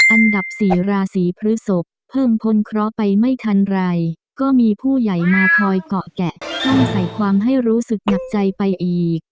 อันดับสี่ราศีพฤศพเพิ่มพ้นเคราะห์ไปไม่ทันไรก็มีผู้ใหญ่มาคอยเกาะแกะต้องใส่ความให้รู้สึกหนักใจไปอีก